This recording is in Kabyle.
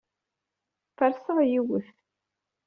Ferseɣ yiwet.